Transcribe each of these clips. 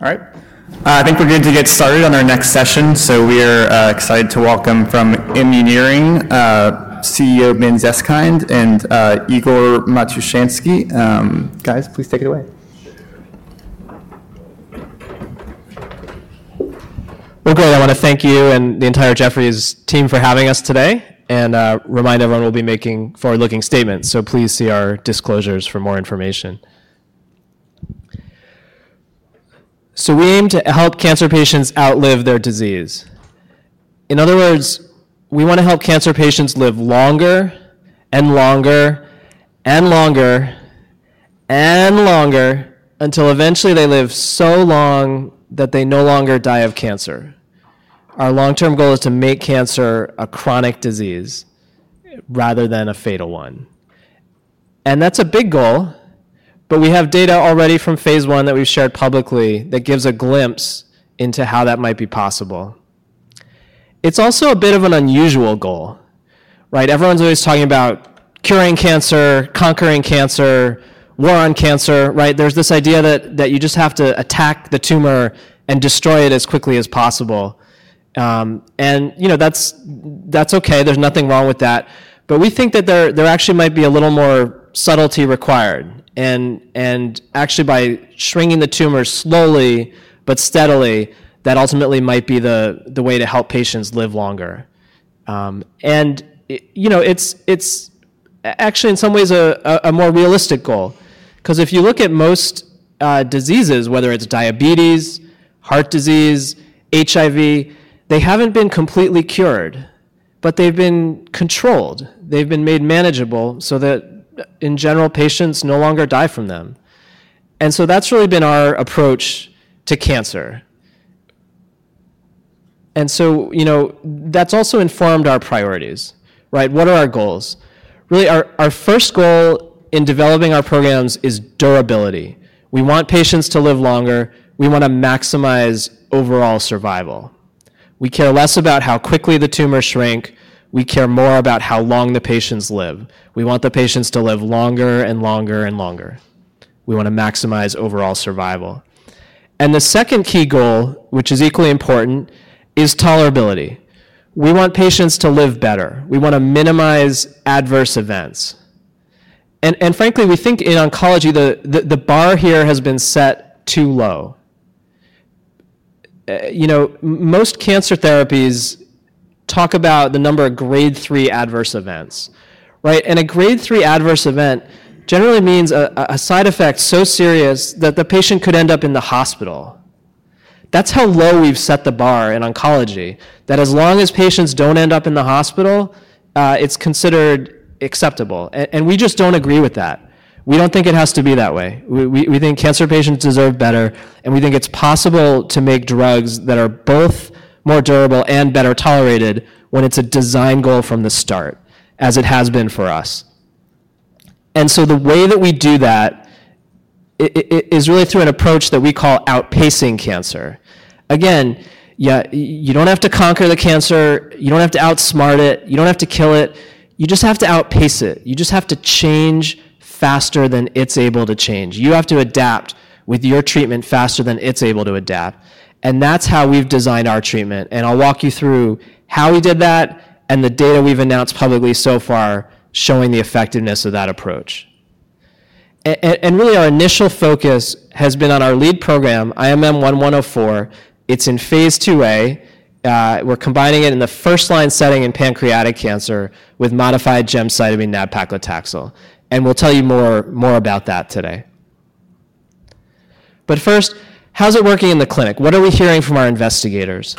All right. I think we're going to get started on our next session. We are excited to welcome from Immuneering CEO Ben Zeskind and Igor Matushenski. Guys, please take it away. We want to thank you and the entire Jefferies team for having us today and remind everyone we'll be making forward-looking statements. Please see our disclosures for more information. We aim to help cancer patients outlive their disease. In other words, we want to help cancer patients live longer and longer and longer and longer until eventually they live so long that they no longer die of cancer. Our long-term goal is to make cancer a chronic disease rather than a fatal one. That is a big goal. We have data already from phase I that we've shared publicly that gives a glimpse into how that might be possible. It's also a bit of an unusual goal, right? Everyone's always talking about curing cancer, conquering cancer, war on cancer, right? There's this idea that you just have to attack the tumor and destroy it as quickly as possible. You know that's OK. There's nothing wrong with that. We think that there actually might be a little more subtlety required. Actually, by shrinking the tumor slowly but steadily, that ultimately might be the way to help patients live longer. You know it's actually, in some ways, a more realistic goal. If you look at most diseases, whether it's diabetes, heart disease, HIV, they haven't been completely cured. They've been controlled. They've been made manageable so that, in general, patients no longer die from them. That's really been our approach to cancer. You know that's also informed our priorities, right? What are our goals? Really, our first goal in developing our programs is durability. We want patients to live longer. We want to maximize overall survival. We care less about how quickly the tumors shrink. We care more about how long the patients live. We want the patients to live longer and longer and longer. We want to maximize overall survival. The second key goal, which is equally important, is tolerability. We want patients to live better. We want to minimize adverse events. Frankly, we think in oncology the bar here has been set too low. You know, most cancer therapies talk about the number of grade three adverse events, right? A grade three adverse event generally means a side effect so serious that the patient could end up in the hospital. That's how low we've set the bar in oncology, that as long as patients don't end up in the hospital, it's considered acceptable. We just don't agree with that. We don't think it has to be that way. We think cancer patients deserve better. We think it's possible to make drugs that are both more durable and better tolerated when it's a design goal from the start, as it has been for us. The way that we do that is really through an approach that we call outpacing cancer. Again, you don't have to conquer the cancer. You don't have to outsmart it. You don't have to kill it. You just have to outpace it. You just have to change faster than it's able to change. You have to adapt with your treatment faster than it's able to adapt. That's how we've designed our treatment. I'll walk you through how we did that and the data we've announced publicly so far showing the effectiveness of that approach. Really, our initial focus has been on our lead program, IMM-1104. It's in phase IIA. We're combining it in the first-line setting in pancreatic cancer with modified gemcitabine nab-paclitaxel. We'll tell you more about that today. First, how's it working in the clinic? What are we hearing from our investigators?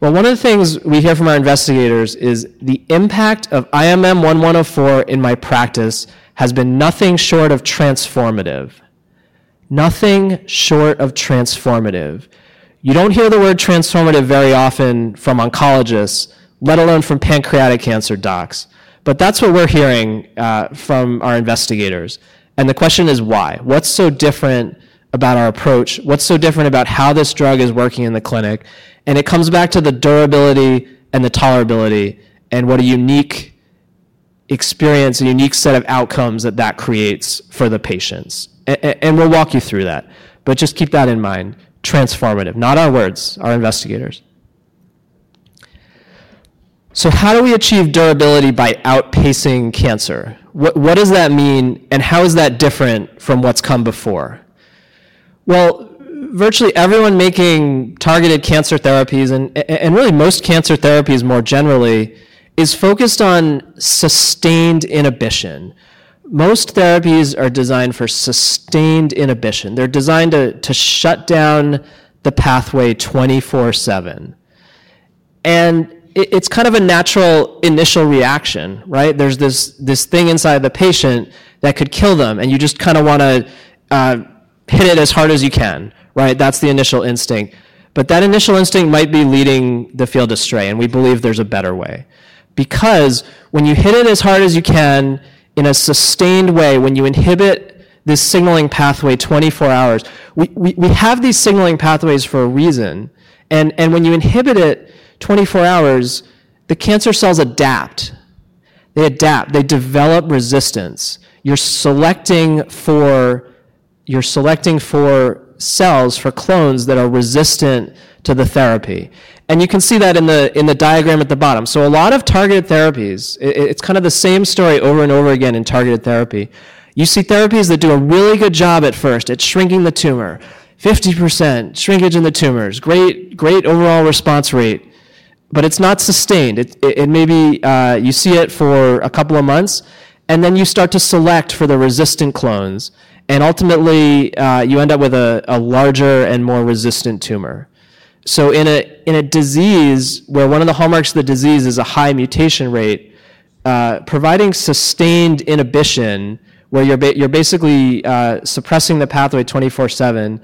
One of the things we hear from our investigators is the impact of IMM-1104 in my practice has been nothing short of transformative. Nothing short of transformative. You don't hear the word transformative very often from oncologists, let alone from pancreatic cancer docs. That's what we're hearing from our investigators. The question is, why? What's so different about our approach? What's so different about how this drug is working in the clinic? It comes back to the durability and the tolerability and what a unique experience and unique set of outcomes that that creates for the patients. We'll walk you through that. Just keep that in mind. Transformative. Not our words, our investigators. How do we achieve durability by outpacing cancer? What does that mean? How is that different from what's come before? Virtually everyone making targeted cancer therapies, and really most cancer therapies more generally, is focused on sustained inhibition. Most therapies are designed for sustained inhibition. They're designed to shut down the pathway 24/7. It's kind of a natural initial reaction, right? There's this thing inside the patient that could kill them. You just kind of want to hit it as hard as you can, right? That's the initial instinct. That initial instinct might be leading the field astray. We believe there's a better way. Because when you hit it as hard as you can in a sustained way, when you inhibit this signaling pathway 24 hours, we have these signaling pathways for a reason. When you inhibit it 24 hours, the cancer cells adapt. They adapt. They develop resistance. You're selecting for cells, for clones that are resistant to the therapy. You can see that in the diagram at the bottom. A lot of targeted therapies, it's kind of the same story over and over again in targeted therapy. You see therapies that do a really good job at first at shrinking the tumor, 50% shrinkage in the tumors, great overall response rate. It's not sustained. It may be you see it for a couple of months. You start to select for the resistant clones. Ultimately, you end up with a larger and more resistant tumor. In a disease where one of the hallmarks of the disease is a high mutation rate, providing sustained inhibition, where you're basically suppressing the pathway 24/7,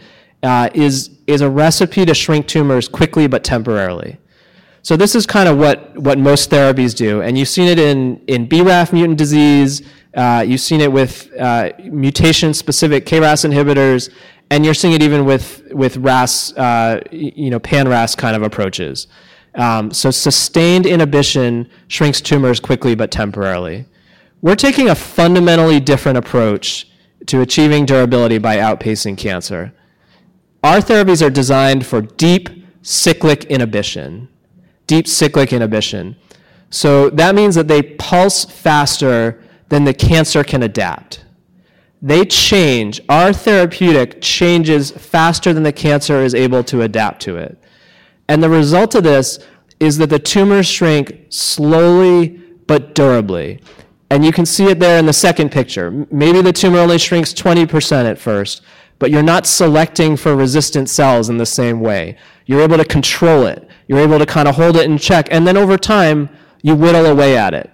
is a recipe to shrink tumors quickly but temporarily. This is kind of what most therapies do. You've seen it in BRAF mutant disease. You've seen it with mutation-specific KRAS inhibitors. You're seeing it even with Pan-RAS kind of approaches. Sustained inhibition shrinks tumors quickly but temporarily. We're taking a fundamentally different approach to achieving durability by outpacing cancer. Our therapies are designed for deep cyclic inhibition, deep cyclic inhibition. That means that they pulse faster than the cancer can adapt. They change. Our therapeutic changes faster than the cancer is able to adapt to it. The result of this is that the tumors shrink slowly but durably. You can see it there in the second picture. Maybe the tumor only shrinks 20% at first. You're not selecting for resistant cells in the same way. You're able to control it. You're able to kind of hold it in check. Over time, you whittle away at it.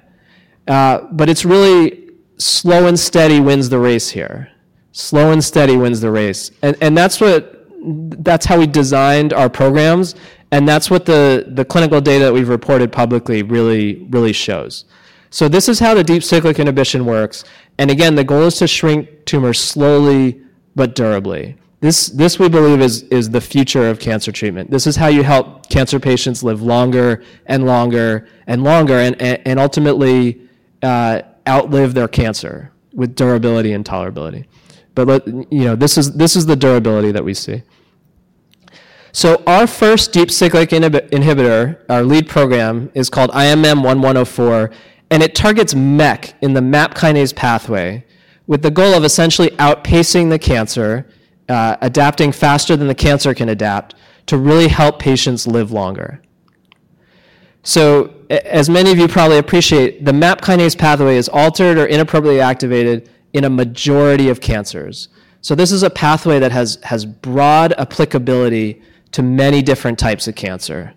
It's really slow and steady wins the race here. Slow and steady wins the race. That's how we designed our programs. That's what the clinical data that we've reported publicly really shows. This is how the deep cyclic inhibition works. Again, the goal is to shrink tumors slowly but durably. This, we believe, is the future of cancer treatment. This is how you help cancer patients live longer and longer and longer and ultimately outlive their cancer with durability and tolerability. This is the durability that we see. Our first deep cyclic inhibitor, our lead program, is called IMM-1104. It targets MEK in the MAP kinase pathway with the goal of essentially outpacing the cancer, adapting faster than the cancer can adapt to really help patients live longer. As many of you probably appreciate, the MAP kinase pathway is altered or inappropriately activated in a majority of cancers. This is a pathway that has broad applicability to many different types of cancer.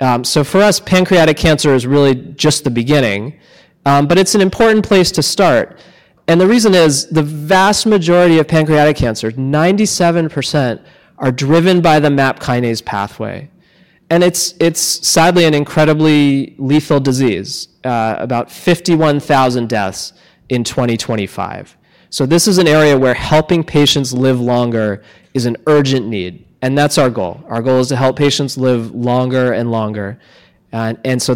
For us, pancreatic cancer is really just the beginning. It is an important place to start. The reason is the vast majority of pancreatic cancer, 97%, are driven by the MAP kinase pathway. It is sadly an incredibly lethal disease, about 51,000 deaths in 2025. This is an area where helping patients live longer is an urgent need. That is our goal. Our goal is to help patients live longer and longer. That is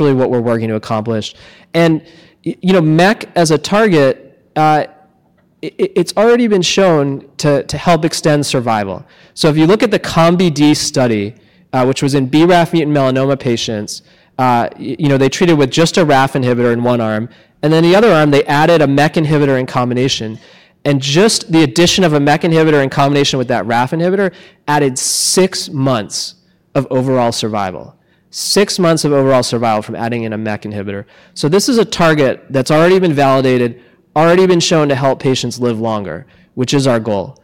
really what we are working to accomplish. MEK, as a target, has already been shown to help extend survival. If you look at the COMBI-d study, which was in BRAF mutant melanoma patients, they treated with just a RAF inhibitor in one arm. In the other arm, they added a MEK inhibitor in combination. Just the addition of a MEK inhibitor in combination with that RAF inhibitor added six months of overall survival, six months of overall survival from adding in a MEK inhibitor. This is a target that's already been validated, already been shown to help patients live longer, which is our goal.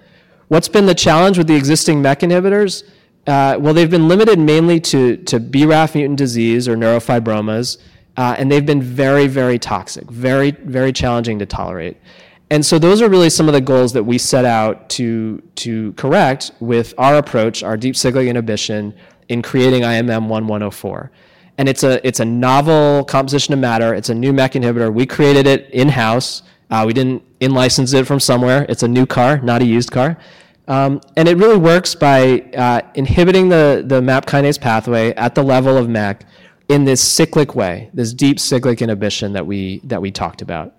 What's been the challenge with the existing MEK inhibitors? They've been limited mainly to BRAF mutant disease or neurofibromas. They've been very, very toxic, very, very challenging to tolerate. Those are really some of the goals that we set out to correct with our approach, our deep cyclic inhibition in creating IMM-1104. It's a novel composition of matter. It's a new MEK inhibitor. We created it in-house. We didn't in-license it from somewhere. It's a new car, not a used car. It really works by inhibiting the MAP kinase pathway at the level of MEK in this cyclic way, this deep cyclic inhibition that we talked about.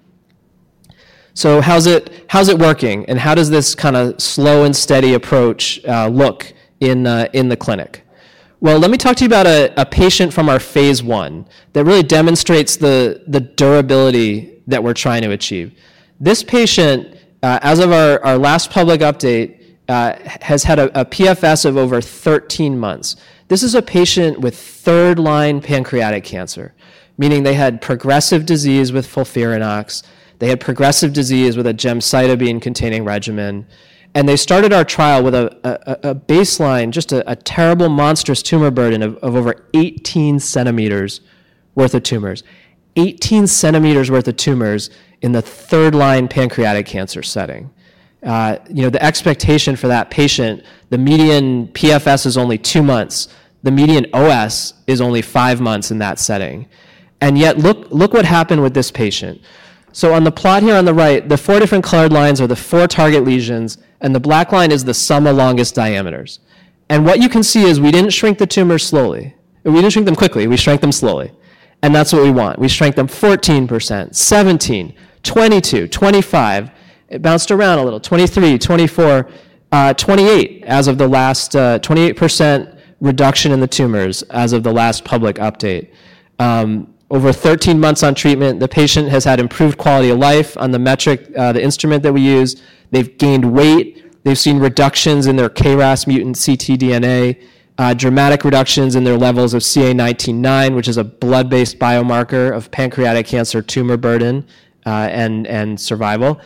How's it working? How does this kind of slow and steady approach look in the clinic? Let me talk to you about a patient from our phase I that really demonstrates the durability that we're trying to achieve. This patient, as of our last public update, has had a PFS of over 13 months. This is a patient with third-line pancreatic cancer, meaning they had progressive disease with FOLFIRINOX. They had progressive disease with a gemcitabine-containing regimen. They started our trial with a baseline, just a terrible, monstrous tumor burden of over 18 centimeters worth of tumors, 18 centimeters worth of tumors in the third-line pancreatic cancer setting. The expectation for that patient, the median PFS is only two months. The median OS is only five months in that setting. Yet, look what happened with this patient. On the plot here on the right, the four different colored lines are the four target lesions. The black line is the sum of longest diameters. What you can see is we did not shrink the tumors slowly. We did not shrink them quickly. We shrunk them slowly. That is what we want. We shrank them 14%, 17%, 22%, 25%. It bounced around a little, 23%, 24%, 28% as of the last 28% reduction in the tumors as of the last public update. Over 13 months on treatment, the patient has had improved quality of life on the instrument that we use. They have gained weight. They have seen reductions in their KRAS mutant ctDNA, dramatic reductions in their levels of CA 19-9, which is a blood-based biomarker of pancreatic cancer tumor burden and survival.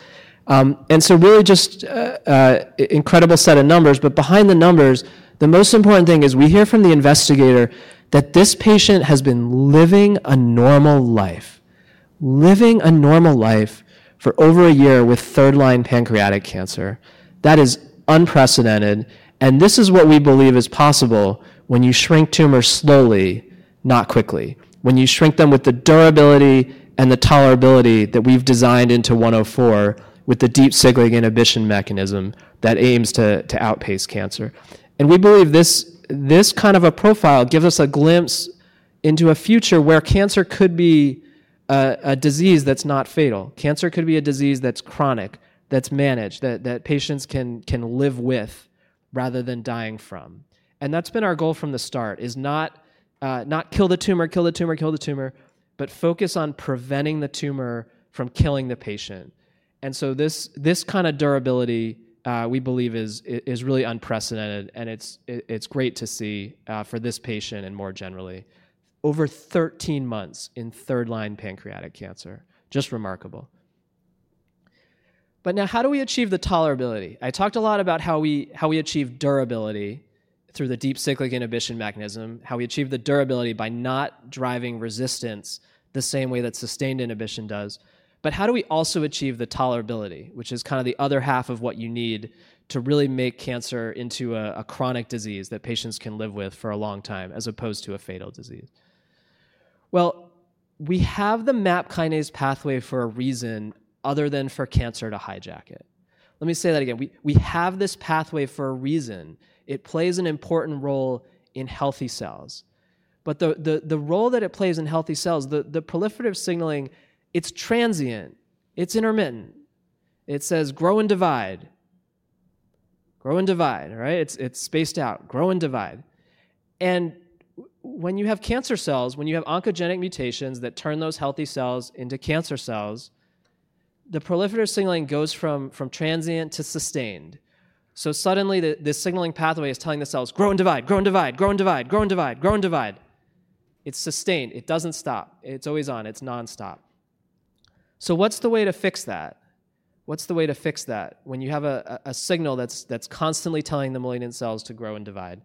Really just an incredible set of numbers. Behind the numbers, the most important thing is we hear from the investigator that this patient has been living a normal life, living a normal life for over a year with third-line pancreatic cancer. That is unprecedented. This is what we believe is possible when you shrink tumors slowly, not quickly, when you shrink them with the durability and the tolerability that we've designed into 104 with the deep cyclic inhibition mechanism that aims to outpace cancer. We believe this kind of a profile gives us a glimpse into a future where cancer could be a disease that's not fatal. Cancer could be a disease that's chronic, that's managed, that patients can live with rather than dying from. That's been our goal from the start, is not kill the tumor, kill the tumor, kill the tumor, but focus on preventing the tumor from killing the patient. This kind of durability, we believe, is really unprecedented. It's great to see for this patient and more generally, over 13 months in third-line pancreatic cancer, just remarkable. Now, how do we achieve the tolerability? I talked a lot about how we achieve durability through the deep cyclic inhibition mechanism, how we achieve the durability by not driving resistance the same way that sustained inhibition does. How do we also achieve the tolerability, which is kind of the other half of what you need to really make cancer into a chronic disease that patients can live with for a long time as opposed to a fatal disease? We have the MAP kinase pathway for a reason other than for cancer to hijack it. Let me say that again. We have this pathway for a reason. It plays an important role in healthy cells. The role that it plays in healthy cells, the proliferative signaling, it's transient. It's intermittent. It says, "Grow and divide. Grow and divide," right? It's spaced out, "Grow and divide." When you have cancer cells, when you have oncogenic mutations that turn those healthy cells into cancer cells, the proliferative signaling goes from transient to sustained. Suddenly, this signaling pathway is telling the cells, "Grow and divide, grow and divide, grow and divide, grow and divide, grow and divide." It's sustained. It doesn't stop. It's always on. It's nonstop. What's the way to fix that? What's the way to fix that when you have a signal that's constantly telling the malignant cells to grow and divide?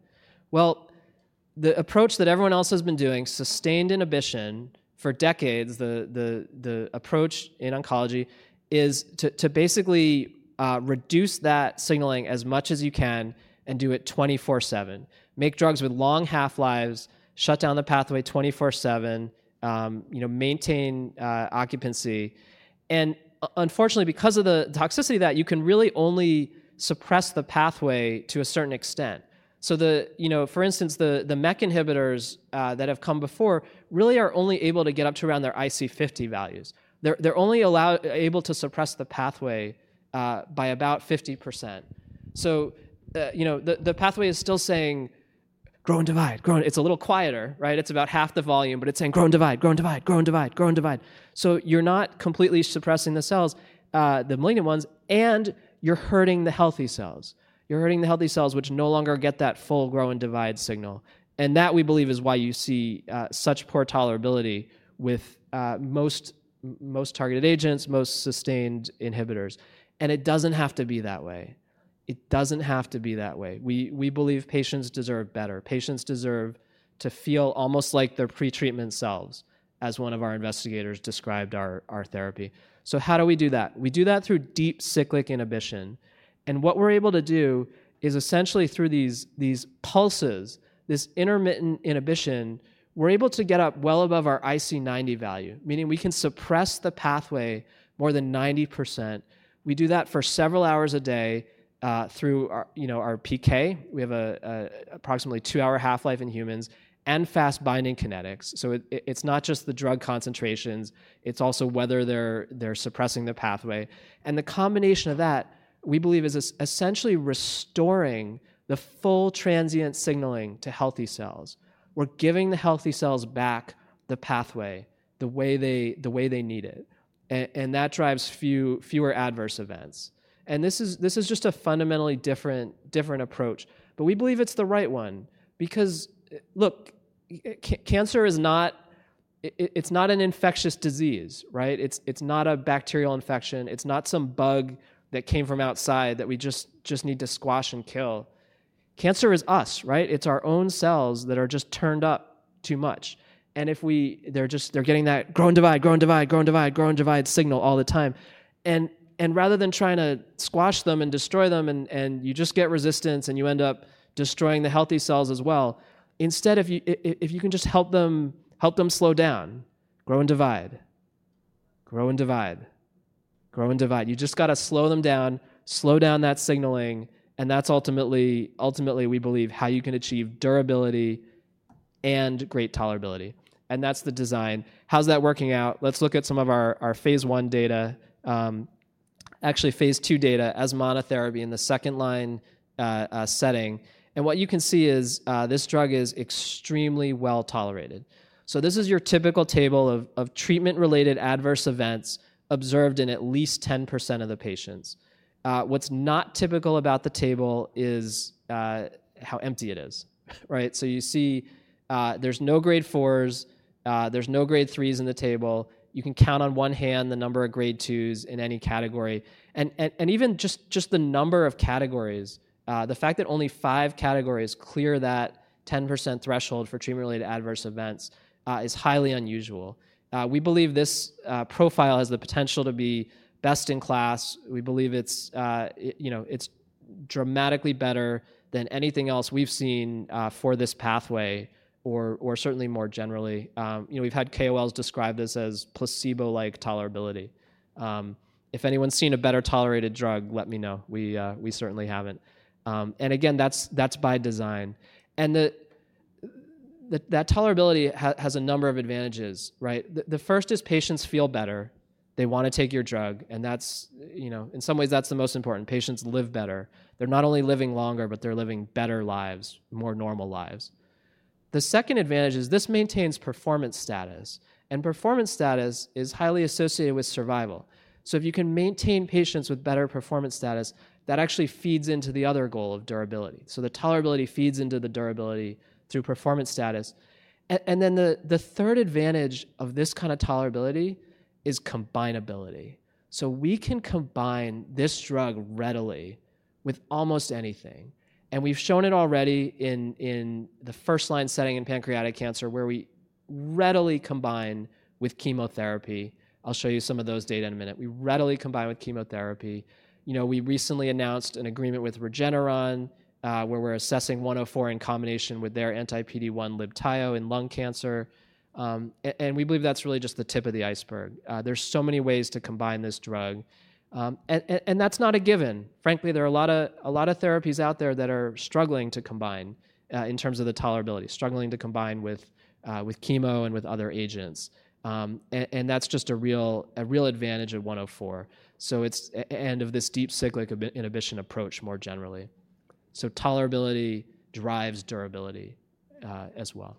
The approach that everyone else has been doing, sustained inhibition for decades, the approach in oncology, is to basically reduce that signaling as much as you can and do it 24/7, make drugs with long half-lives, shut down the pathway 24/7, maintain occupancy. Unfortunately, because of the toxicity of that, you can really only suppress the pathway to a certain extent. For instance, the MEK inhibitors that have come before really are only able to get up to around their IC50 values. They're only able to suppress the pathway by about 50%. The pathway is still saying, "Grow and divide, grow and divide." It's a little quieter, right? It's about half the volume. But it's saying, "Grow and divide, grow and divide, grow and divide, grow and divide." You're not completely suppressing the cells, the malignant ones. You're hurting the healthy cells. You're hurting the healthy cells, which no longer get that full grow and divide signal. That, we believe, is why you see such poor tolerability with most targeted agents, most sustained inhibitors. It doesn't have to be that way. It doesn't have to be that way. We believe patients deserve better. Patients deserve to feel almost like their pretreatment cells, as one of our investigators described our therapy. How do we do that? We do that through deep cyclic inhibition. What we're able to do is essentially through these pulses, this intermittent inhibition, we're able to get up well above our IC90 value, meaning we can suppress the pathway more than 90%. We do that for several hours a day through our PK. We have approximately two-hour half-life in humans and fast-binding kinetics. It's not just the drug concentrations. is also whether they are suppressing the pathway. The combination of that, we believe, is essentially restoring the full transient signaling to healthy cells. We are giving the healthy cells back the pathway the way they need it. That drives fewer adverse events. This is just a fundamentally different approach. We believe it is the right one because, look, cancer is not an infectious disease, right? It is not a bacterial infection. It is not some bug that came from outside that we just need to squash and kill. Cancer is us, right? It is our own cells that are just turned up too much. They are getting that, "Grow and divide, grow and divide, grow and divide, grow and divide," signal all the time. Rather than trying to squash them and destroy them, and you just get resistance and you end up destroying the healthy cells as well, instead, if you can just help them slow down, "Grow and divide, grow and divide, grow and divide." You just got to slow them down, slow down that signaling. That is ultimately, we believe, how you can achieve durability and great tolerability. That is the design. How is that working out? Let's look at some of our phase I data, actually phase II data as monotherapy in the second-line setting. What you can see is this drug is extremely well tolerated. This is your typical table of treatment-related adverse events observed in at least 10% of the patients. What is not typical about the table is how empty it is, right? You see there are no grade 4s. There are no grade 3s in the table. You can count on one hand the number of grade 2s in any category. Even just the number of categories, the fact that only five categories clear that 10% threshold for treatment-related adverse events is highly unusual. We believe this profile has the potential to be best in class. We believe it's dramatically better than anything else we've seen for this pathway or certainly more generally. We've had KOLs describe this as placebo-like tolerability. If anyone's seen a better tolerated drug, let me know. We certainly haven't. That is by design. That tolerability has a number of advantages, right? The first is patients feel better. They want to take your drug. In some ways, that's the most important. Patients live better. They're not only living longer, but they're living better lives, more normal lives. The second advantage is this maintains performance status. Performance status is highly associated with survival. If you can maintain patients with better performance status, that actually feeds into the other goal of durability. The tolerability feeds into the durability through performance status. The third advantage of this kind of tolerability is combinability. We can combine this drug readily with almost anything. We have shown it already in the first-line setting in pancreatic cancer where we readily combine with chemotherapy. I will show you some of those data in a minute. We readily combine with chemotherapy. We recently announced an agreement with Regeneron where we are assessing 104 in combination with their anti-PD-1 Libtayo in lung cancer. We believe that is really just the tip of the iceberg. There are so many ways to combine this drug. That is not a given. Frankly, there are a lot of therapies out there that are struggling to combine in terms of the tolerability, struggling to combine with chemo and with other agents. That is just a real advantage of 104 and of this deep cyclic inhibition approach more generally. Tolerability drives durability as well.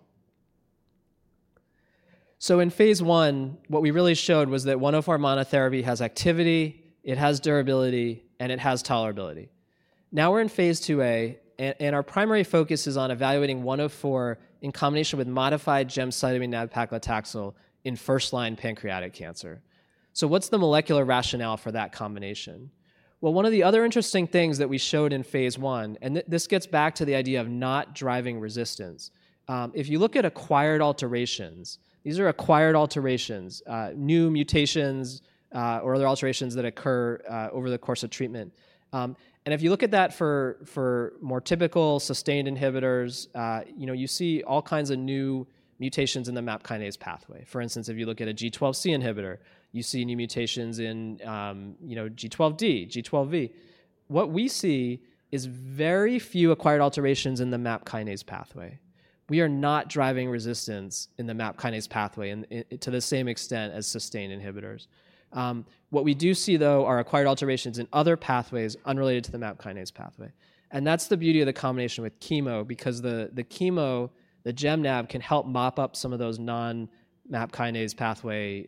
In phase I, what we really showed was that 104 monotherapy has activity, it has durability, and it has tolerability. Now we are in phase IIA, and our primary focus is on evaluating 104 in combination with modified gemcitabine-nab-paclitaxel in first-line pancreatic cancer. What is the molecular rationale for that combination? One of the other interesting things that we showed in phase I, and this gets back to the idea of not driving resistance. If you look at acquired alterations, these are acquired alterations, new mutations or other alterations that occur over the course of treatment. If you look at that for more typical sustained inhibitors, you see all kinds of new mutations in the MAP kinase pathway. For instance, if you look at a G12C inhibitor, you see new mutations in G12D, G12V. What we see is very few acquired alterations in the MAP kinase pathway. We are not driving resistance in the MAP kinase pathway to the same extent as sustained inhibitors. What we do see, though, are acquired alterations in other pathways unrelated to the MAP kinase pathway. That is the beauty of the combination with chemo because the chemo, the gem nab, can help mop up some of those non-MAP kinase pathway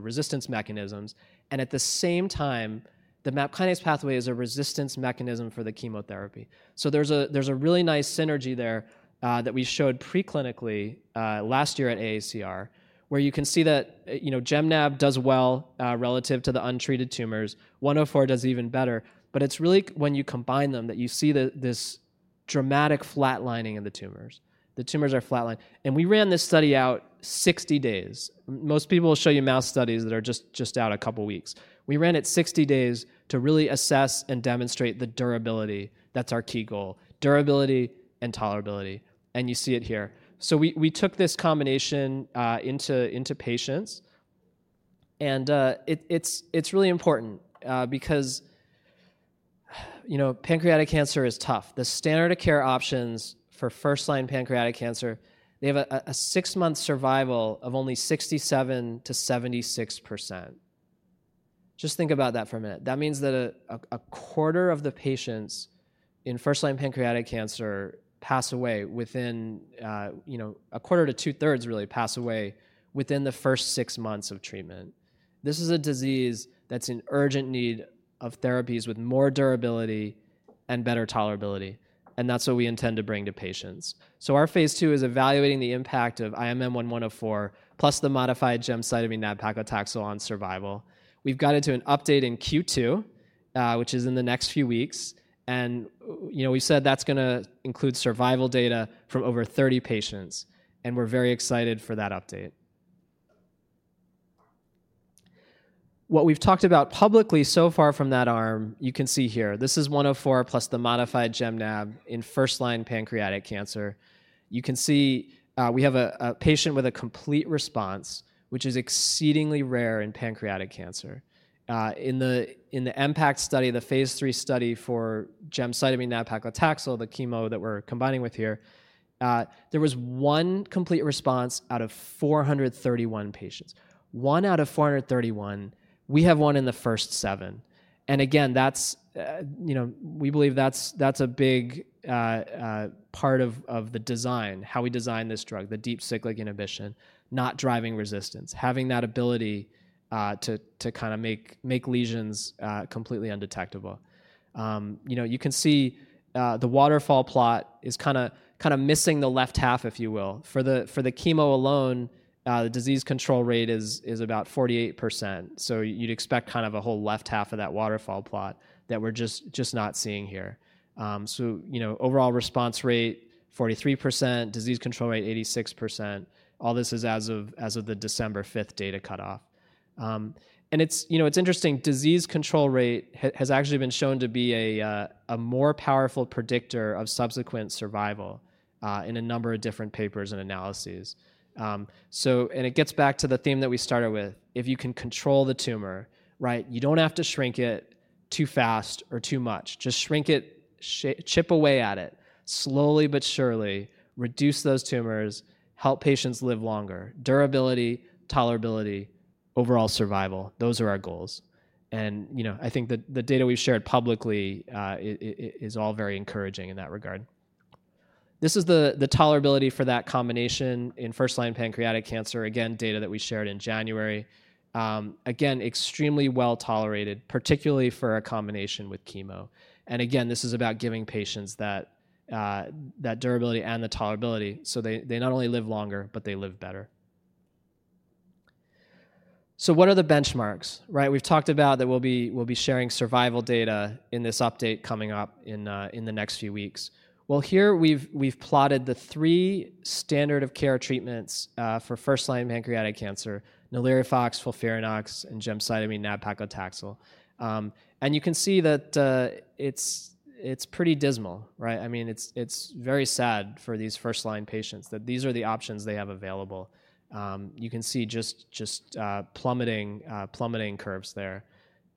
resistance mechanisms. At the same time, the MAP kinase pathway is a resistance mechanism for the chemotherapy. There's a really nice synergy there that we showed preclinically last year at AACR, where you can see that gem nab does well relative to the untreated tumors. 104 does even better. It is really when you combine them that you see this dramatic flatlining of the tumors. The tumors are flatlined. We ran this study out 60 days. Most people will show you mouse studies that are just out a couple of weeks. We ran it 60 days to really assess and demonstrate the durability. That's our key goal, durability and tolerability. You see it here. We took this combination into patients. It is really important because pancreatic cancer is tough. The standard of care options for first-line pancreatic cancer, they have a six-month survival of only 67%-76%. Just think about that for a minute. That means that a quarter of the patients in first-line pancreatic cancer pass away within a quarter to two-thirds, really, pass away within the first six months of treatment. This is a disease that's in urgent need of therapies with more durability and better tolerability. That is what we intend to bring to patients. Our phase II is evaluating the impact of IMM-1104 plus the modified gemcitabine-nab-paclitaxel on survival. We've got an update in Q2, which is in the next few weeks. We said that's going to include survival data from over 30 patients. We're very excited for that update. What we've talked about publicly so far from that arm, you can see here. This is 1104 plus the modified gem nab in first-line pancreatic cancer. You can see we have a patient with a complete response, which is exceedingly rare in pancreatic cancer. In the MPACT study, the phase III study for gemcitabine-nab-paclitaxel, the chemo that we're combining with here, there was one complete response out of 431 patients. One out of 431. We have one in the first seven. Again, we believe that's a big part of the design, how we design this drug, the deep cyclic inhibition, not driving resistance, having that ability to kind of make lesions completely undetectable. You can see the waterfall plot is kind of missing the left half, if you will. For the chemo alone, the disease control rate is about 48%. You'd expect kind of a whole left half of that waterfall plot that we're just not seeing here. Overall response rate, 43%, disease control rate, 86%. All this is as of the December 5th data cutoff. It's interesting. Disease control rate has actually been shown to be a more powerful predictor of subsequent survival in a number of different papers and analyses. It gets back to the theme that we started with. If you can control the tumor, right, you don't have to shrink it too fast or too much. Just shrink it, chip away at it, slowly but surely, reduce those tumors, help patients live longer. Durability, tolerability, overall survival, those are our goals. I think the data we've shared publicly is all very encouraging in that regard. This is the tolerability for that combination in first-line pancreatic cancer, again, data that we shared in January. Again, extremely well tolerated, particularly for a combination with chemo. This is about giving patients that durability and the tolerability so they not only live longer, but they live better. What are the benchmarks, right? We've talked about that we'll be sharing survival data in this update coming up in the next few weeks. Here we've plotted the three standard of care treatments for first-line pancreatic cancer, NALIRIFOX, FOLFIRINOX, and gemcitabine-nab-paclitaxel. You can see that it's pretty dismal, right? I mean, it's very sad for these first-line patients that these are the options they have available. You can see just plummeting curves there.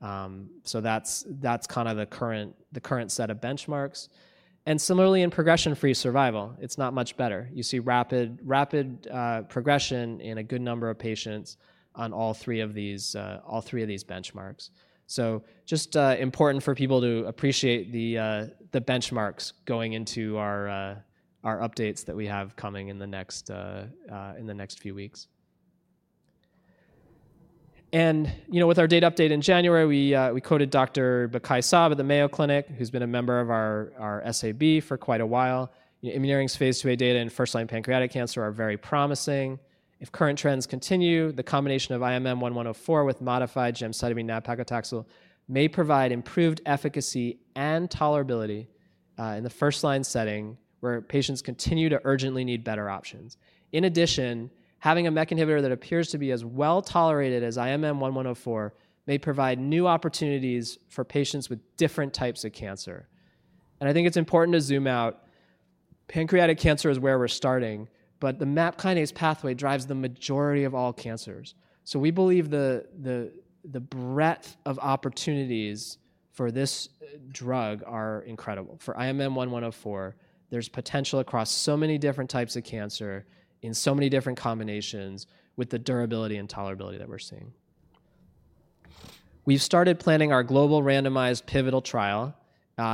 That's kind of the current set of benchmarks. Similarly, in progression-free survival, it's not much better. You see rapid progression in a good number of patients on all three of these benchmarks. It's just important for people to appreciate the benchmarks going into our updates that we have coming in the next few weeks. With our data update in January, we quoted Dr. Bakhayesab at the Mayo Clinic, who's been a member of our SAB for quite a while. Immuneering phase IIA data in first-line pancreatic cancer are very promising. If current trends continue, the combination of IMM-1104 with modified gemcitabine-nab-paclitaxel may provide improved efficacy and tolerability in the first-line setting where patients continue to urgently need better options. In addition, having a MEK inhibitor that appears to be as well tolerated as IMM-1104 may provide new opportunities for patients with different types of cancer. I think it's important to zoom out. Pancreatic cancer is where we're starting, but the MAP kinase pathway drives the majority of all cancers. We believe the breadth of opportunities for this drug are incredible. For IMM-1104, there's potential across so many different types of cancer in so many different combinations with the durability and tolerability that we're seeing. We've started planning our global randomized pivotal trial.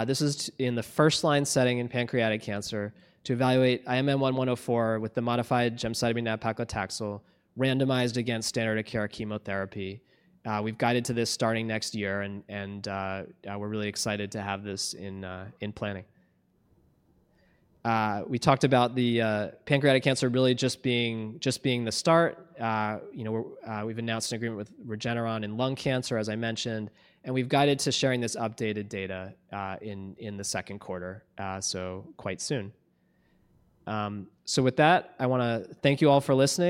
This is in the first-line setting in pancreatic cancer to evaluate IMM-1104 with the modified gemcitabine-nab-paclitaxel randomized against standard of care chemotherapy. We've guided to this starting next year, and we're really excited to have this in planning. We talked about the pancreatic cancer really just being the start. We've announced an agreement with Regeneron in lung cancer, as I mentioned. We've guided to sharing this updated data in the second quarter, quite soon. With that, I want to thank you all for listening.